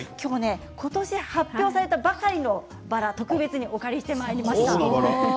今年、発表されたばかりのバラを特別にお借りしてまいりました。